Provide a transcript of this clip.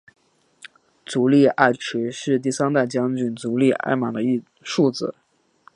足利义持是第三代将军足利义满的庶子。